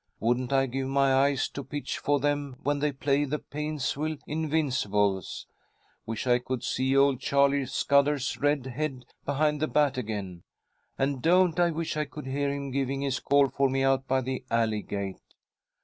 Wouldn't I give my eyes to pitch for them when they play the Plainsville 'Invincibles'! Wish I could see old Charlie Scudder's red head behind the bat again! And don't I wish I could hear him giving his call for me out by the alley gate!